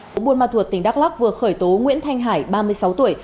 phố buôn ma thuột tỉnh đắk lắc vừa khởi tố nguyễn thanh hải ba mươi sáu tuổi